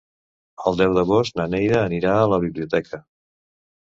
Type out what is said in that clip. El deu d'agost na Neida anirà a la biblioteca.